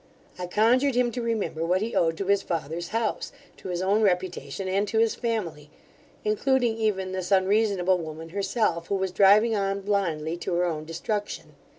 I conjured him to remember what he owed to his father's house, to his own reputation, and to his family, including even this unreasonable woman herself, who was driving on blindly to her own destruction.